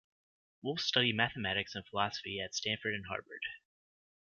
Wolff studied mathematics and philosophy at Stanford and Harvard.